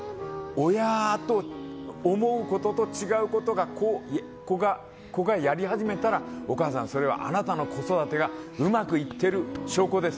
親と思うことと違うことを子がやり始めたらお母さんそれはあなたの子育てがうまくいってる証拠です。